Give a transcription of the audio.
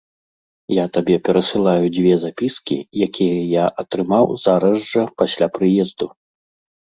Я табе перасылаю дзве запіскі, якія я атрымаў зараз жа пасля прыезду.